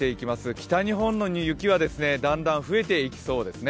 北日本にいる雪はだんだん増えていきそうですね。